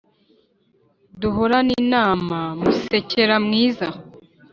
duhorane imana musekera mwiza.